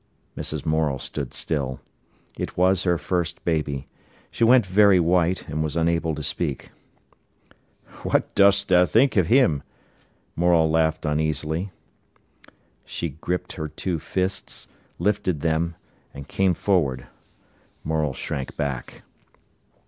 Mrs. Morel stood still. It was her first baby. She went very white, and was unable to speak. "What dost think o' 'im?" Morel laughed uneasily. She gripped her two fists, lifted them, and came forward. Morel shrank back.